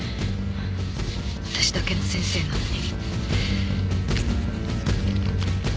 私だけの先生なのに。